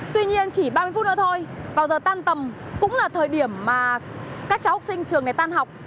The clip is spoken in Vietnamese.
tuy nhiên chỉ ba mươi phút thôi vào giờ tan tầm cũng là thời điểm mà các cháu học sinh trường này tan học